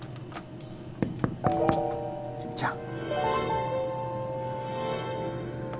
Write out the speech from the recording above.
・・由美ちゃん。